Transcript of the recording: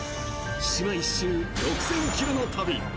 島１周６０００ｋｍの旅！